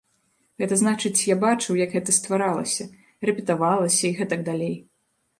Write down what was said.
Гэта значыць, я бачыў, як гэта стваралася, рэпетавалася і гэтак далей.